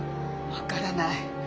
分からない。